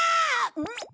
うん！？